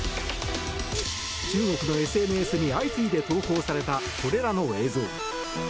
中国のＳＮＳに相次いで投稿されたこれらの映像。